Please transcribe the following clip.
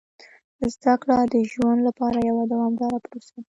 زده کړه د ژوند لپاره یوه دوامداره پروسه ده.